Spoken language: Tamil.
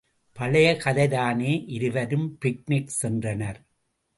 பழைய கதைதானே இருவரும் பிக்நிக் சென்றனர்.